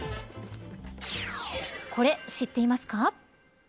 これ、知っていますか。